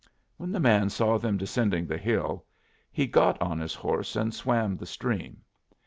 When the man saw them descending the hill, he got on his horse and swam the stream.